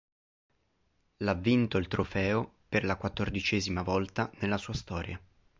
L' ha vinto il trofeo per la quattordicesima volta nella sua storia.